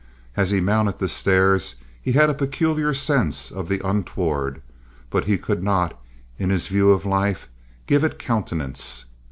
As he mounted the stairs he had a peculiar sense of the untoward; but he could not, in his view of life, give it countenance.